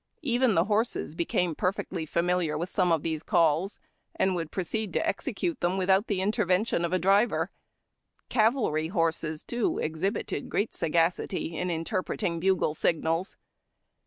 Even the horses became perfectly familiar with some of these calls, and would pro ceed to execute them without the intervention of a driver. Cavalry horses, too, exhibited great sagacity in interpreting bugle signals.